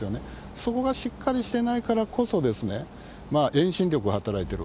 そこがしっかりしてないからこそ、遠心力が働いてる。